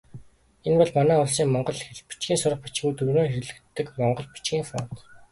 Энэ бол манай улсын монгол хэл, бичгийн сурах бичгүүдэд өргөнөөр хэрэглэдэг монгол бичгийн фонт.